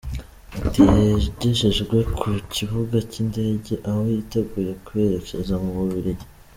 Ati “Yagejejwe ku kibuga cy’indege aho yiteguye kwerekeza mu Bubiligi.